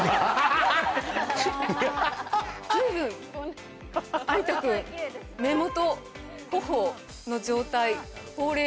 随分有田君目元頬の状態ほうれい